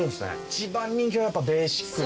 一番人気はやっぱベーシックな。